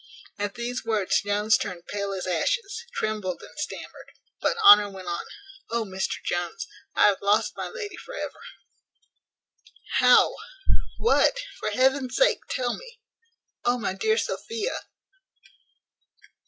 At these words Jones turned pale as ashes, trembled, and stammered; but Honour went on "O! Mr Jones, I have lost my lady for ever." "How? what! for Heaven's sake, tell me. O, my dear Sophia!"